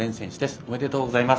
おめでとうございます。